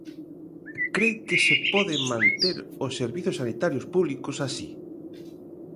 ¿Cre que se pode manter os servizos sanitarios públicos así?